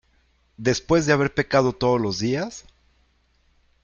después de haber pecado todos los días.